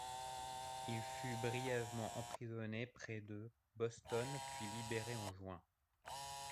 Il fut brièvement emprisonné près de Boston puis libéré en juillet.